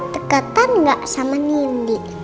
deketan nggak sama nindi